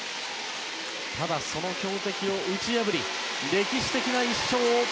ただ、その強敵を打ち破り歴史的な１勝を。